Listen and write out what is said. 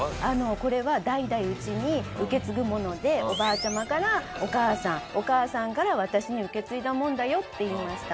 これは代々うちに受け継ぐものでおばあちゃまからお母さんお母さんから私に受け継いだもんだよって言いました。